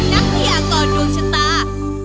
นักเนี้ยกรดวงชะตา